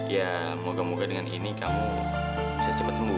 ya moga moga dengan ini kamu bisa cepat sembuh